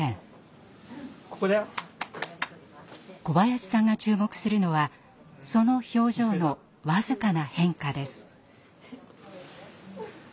小林さんが注目するのはその表情の僅かな変化です。